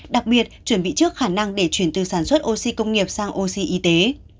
đặc biệt chuẩn bị trước khả năng để chuyển từ sản xuất oxy công nghiệp sang oxy y tế